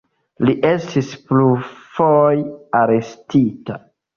Li estis plurfoje arestita.